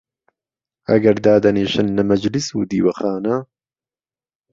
ئهگهر دادهنیشن لە مەجلیس و دیوەخانه